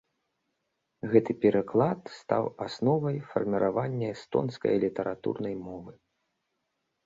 Гэты пераклад стаў асновай фарміравання эстонскае літаратурнай мовы.